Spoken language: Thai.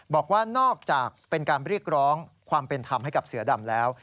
บอกว่านอกจากเป็นการเรียกร้องความเป็นธรรมให้กับเสือดำแล้ว